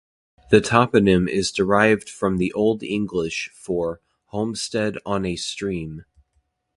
The toponym is derived from the Old English for "homestead on a stream".